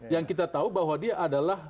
yang kita tahu bahwa dia adalah